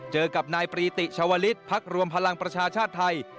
เจอกับนายปรีติชาวลิศพักรวมพลังประชาชาติไทย